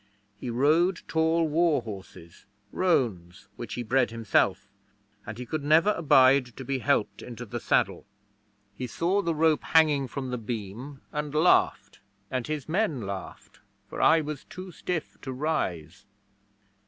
He rode tall warhorses roans, which he bred himself and he could never abide to be helped into the saddle. He saw the rope hanging from the beam and laughed, and his men laughed, for I was too stiff to rise.